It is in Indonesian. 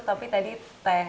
tapi tadi teh